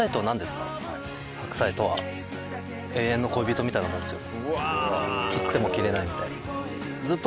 白菜とは永遠の恋人みたいなもんですよ。